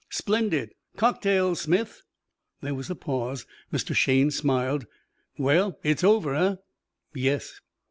"Splendid! Cocktails, Smith." There was a pause. Mr. Shayne smiled. "Well, it's over, eh?" "Yes."